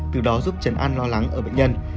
từ đó giúp chấn an lo lắng ở bệnh nhân